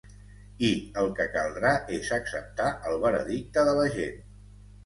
I el que caldrà és acceptar el veredicte de la gent.